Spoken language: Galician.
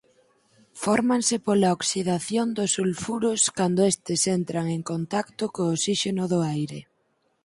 Fórmanse pola oxidación dos sulfuros cando estes entran en contacto co osíxeno do aire.